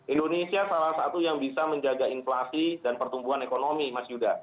indonesia salah satu yang bisa menjaga inflasi dan pertumbuhan ekonomi mas yuda